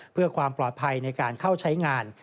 เพื่อความปลอดภัยในการเข้าใช้งาน